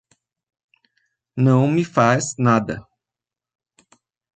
Não me faz nada